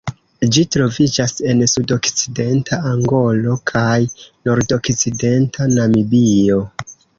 Ĝi troviĝas en sudokcidenta Angolo kaj nordokcidenta Namibio.